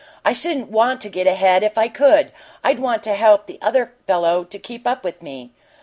I shouldn't want to get ahead if I could I'd want to help the other fellow to keep up with me."